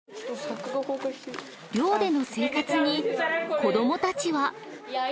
寮での生活に子どもたちは。